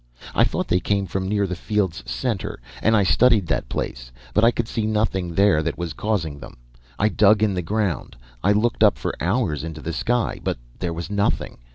I thought they came from near the field's center, and I studied that place. But I could see nothing there that was causing them. I dug in the ground, I looked up for hours into the sky, but there was nothing.